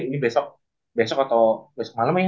ini besok atau besok malem ya